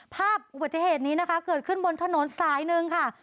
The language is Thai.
ภาพบัติเหตุนี้นะเกิดขึ้นบนถนนซ้ายนึงค่ะ